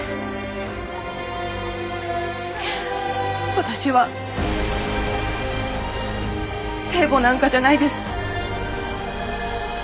私は聖母なんかじゃないです。